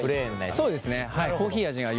そうですねはい。